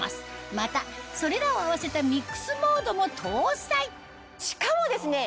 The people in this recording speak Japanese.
またそれらを合わせたミックスモードも搭載しかもですね